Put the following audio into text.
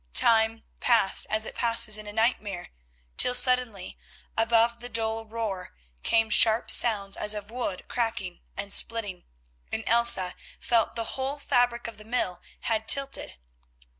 Time passed as it passes in a nightmare, till suddenly, above the dull roar, came sharp sounds as of wood cracking and splitting, and Elsa felt that the whole fabric of the mill had tilted.